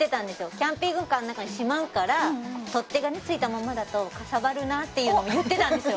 キャンピングカーの中にしまうから取っ手が付いたままだとかさばるなって言ってたんですよ